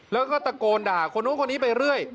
แล้วก็ตะโกนด่าคนนู้นคนนี้ไปเรื่อย